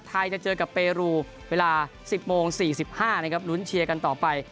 ไทยจะเจอกับเปรูเวลาสิบโมงสี่สิบห้านะครับลุ้นเชียร์กันต่อไป